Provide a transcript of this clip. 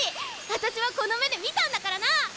私はこの目で見たんだからな！